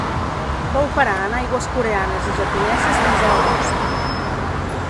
Va operar en aigües coreanes i japoneses fins a l'agost.